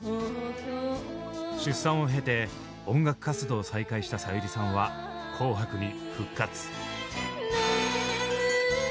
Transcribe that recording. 出産を経て音楽活動を再開したさゆりさんは「紅白」に復活。